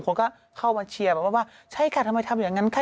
คนก็เข้ามาเชียร์แบบว่าใช่ค่ะทำไมทำอย่างนั้นค่ะ